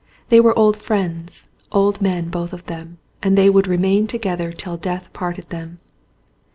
They were old friends, old men both of them, and they would remain together till death parted them.